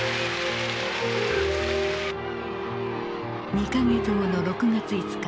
２か月後の６月５日。